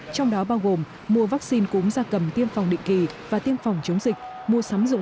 trong đó bao gồm mua vaccine cúm da cầm tiêm phòng định kỳ và tiêm phòng chống dịch mua sắm dụng